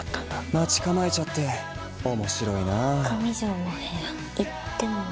待ち構えちゃっておもしろいなぁ上条の部屋行ってもいい？